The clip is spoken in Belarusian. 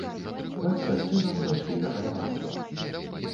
Бацька з сынам пайшлі на паляванне.